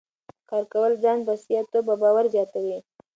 کار کول ځان بسیا توب او باور زیاتوي.